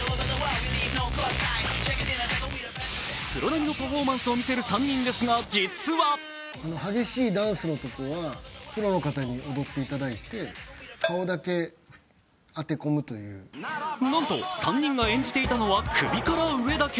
プロ並みのパフォーマンスを見せる３人ですが、実はなんと３人が演じていたのは首から上だけ。